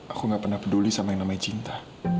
aku gak pernah peduli sama yang namanya cinta